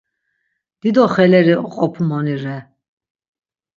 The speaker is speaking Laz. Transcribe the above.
Dido xeleri oqopumoni re.